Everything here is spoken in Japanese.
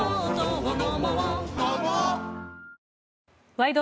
「ワイド！